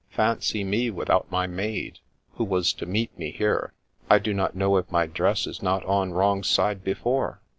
Fancy me without my maid, who was to meet me here. I do not know if my dress is not on wrong side before.